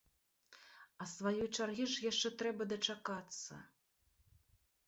А сваёй чаргі ж яшчэ трэба дачакацца!